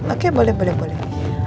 oke boleh boleh boleh